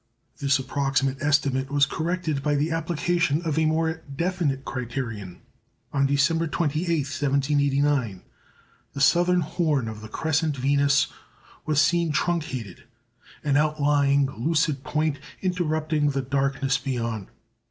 This approximate estimate was corrected by the application of a more definite criterion. On December 28, 1789, the southern horn of the crescent Venus was seen truncated, an outlying lucid point interrupting the darkness beyond.